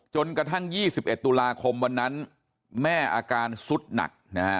จนกระทั่ง๒๑ตุลาคมวันนั้นแม่อาการสุดหนักนะฮะ